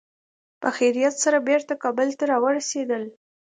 په خیریت سره بېرته کابل ته را ورسېدل.